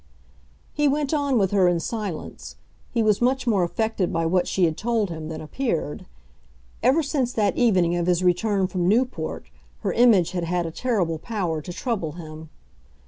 He went on with her in silence; he was much more affected by what she had told him than appeared. Ever since that evening of his return from Newport her image had had a terrible power to trouble him.